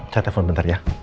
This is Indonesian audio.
saya telepon bentar ya